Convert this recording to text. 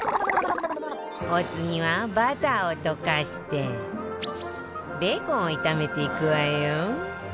お次はバターを溶かしてベーコンを炒めていくわよ